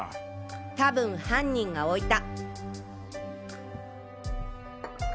多分犯人が置いた。